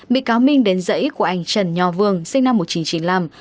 bị cáo minh đến dãy của anh trần nho vương sinh năm một nghìn chín trăm chín mươi năm